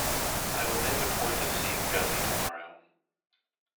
I will make a point of seeing Gussie tomorrow.